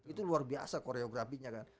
itu luar biasa koreografinya kan